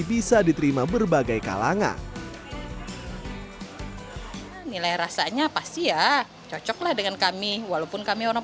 bisa diterima berbagai kalangan nilai rasanya pasti ya cocoklah dengan kami walaupun kami orang